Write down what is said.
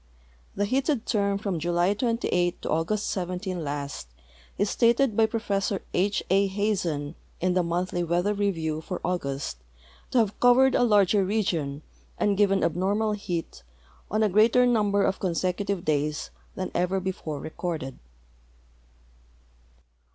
The heated term from July 28 to August 17 last is stated by Prof. H. A. Hazen in the Moufhlg Weathei Beriew for August to have covered a larger region and given abnormal heat on a greater number of consecutive days than ever before recorded.